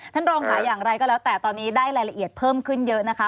ท่านรองค่ะอย่างไรก็แล้วแต่ตอนนี้ได้รายละเอียดเพิ่มขึ้นเยอะนะคะ